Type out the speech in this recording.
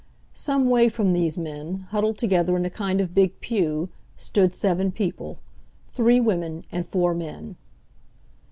Some way from these men, huddled together in a kind of big pew, stood seven people—three women and four men.